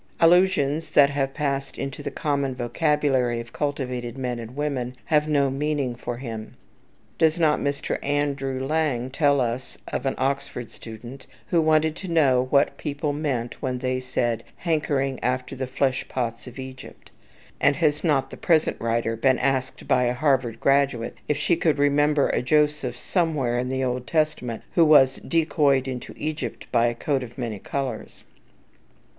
Allusions that have passed into the common vocabulary of cultivated men and women have no meaning for him. Does not Mr. Andrew Lang tell us of an Oxford student who wanted to know what people meant when they said "hankering after the flesh pots of Egypt"; and has not the present writer been asked by a Harvard graduate if she could remember a Joseph, "somewhere" in the Old Testament, who was "decoyed into Egypt by a coat of many colours"?